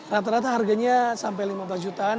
rata rata harganya sampai lima belas jutaan